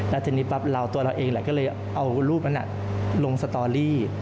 แล้วทีนี้ปั๊บเราตัวเราเองแหละก็เลยเอารูปนั้นลงสตอรี่